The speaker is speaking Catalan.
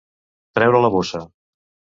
Treure la bossa.